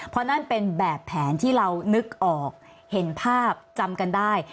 เพราะนั่นเป็นแบบแผนที่เรานึกออกเห็นภาพจำกันได้